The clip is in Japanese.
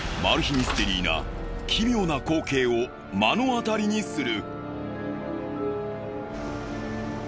ミステリーな奇妙な光景を目の当たりにする。